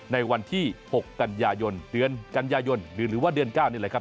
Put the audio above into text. ในวันที่๖กัญญาโยนหรือว่าเดือน๙นี่แหละครับ